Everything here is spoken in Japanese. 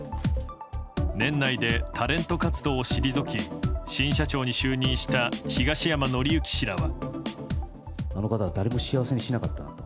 年内でタレント活動を退き新社長に就任した東山紀之氏らは。